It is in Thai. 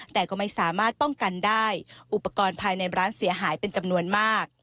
แต่ก็ไม่สามารถป้องกันได้อุปกรณ์ภายในร้านเสียหายเป็นจำนวนมาก